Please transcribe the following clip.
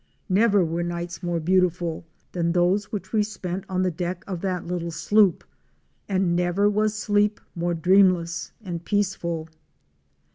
Never were nights more beautiful than those which we spent on the deck of that little sloop, and never was sleep more dreamless and peaceful.